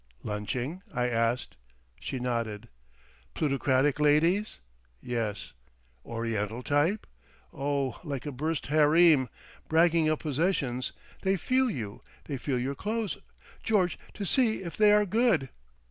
"Lunching?" I asked. She nodded. "Plutocratic ladies?" "Yes." "Oriental type?" "Oh! Like a burst hareem!... Bragging of possessions.... They feel you. They feel your clothes, George, to see if they are good!"